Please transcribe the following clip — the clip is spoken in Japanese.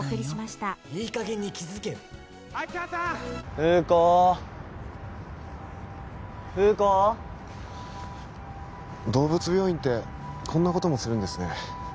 フー子フー子動物病院ってこんなこともするんですね